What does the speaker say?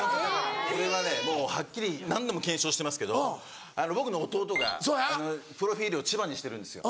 これはねもうはっきり何度も検証してますけど僕の弟がプロフィルを千葉にしてるんですよ。